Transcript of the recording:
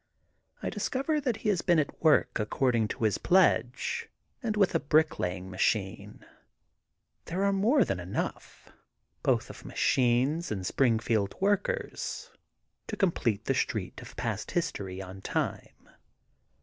I discover that he has been at work according to his pledge, and with a bricklaying machine. There are more than enongh, both of machines and Springfield workers to complete the Street of Past History on time.